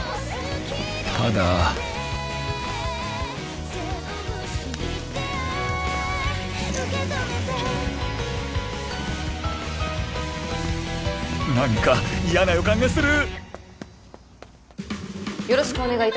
ただちょっ何か嫌な予感がする